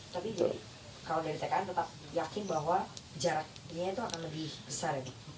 tapi kalau dari tkn tetap yakin bahwa jaraknya itu akan lebih besar